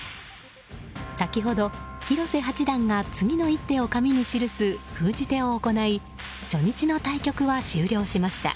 先ほど、広瀬八段が次の一手を紙に記す封じ手を行い初日の対局は終了しました。